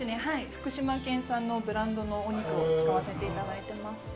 福島県産のブランドのお肉を使わせていただいてます。